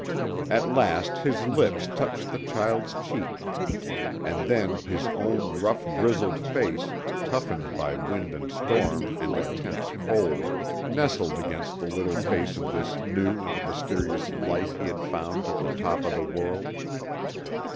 At last his lips touched the child's cheek. And then his own rough grizzled face, toughened by wind and storm and intense cold, nestled against the little face of this new and mysterious life he had found at the top of the world.